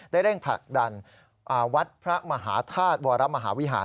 เร่งผลักดันวัดพระมหาธาตุวรมหาวิหาร